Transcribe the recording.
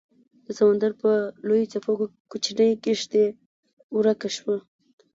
د سمندر په لویو څپو کې کوچنۍ کیشتي ورکه شوه